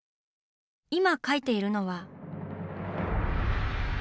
今描いているのは。